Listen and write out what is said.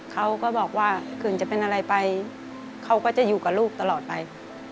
เขาก็บอกว่าคืนจะเป็นอะไรไปเขาก็จะอยู่กับลูกตลอดไป